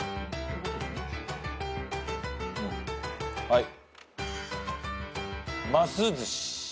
はい。